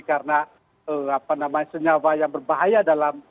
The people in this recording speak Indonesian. karena senyawa yang berbahaya